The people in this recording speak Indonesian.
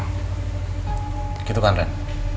begitu kan ren